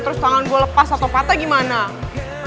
terus tangan gue lepas atau patah gimana